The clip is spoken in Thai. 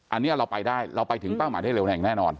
อันนี้เราไปได้เราไปถึงเป้าหมายได้เร็งแน่นอน